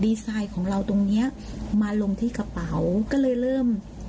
ไซต์ของเราตรงเนี้ยมาลงที่กระเป๋าก็เลยเริ่ม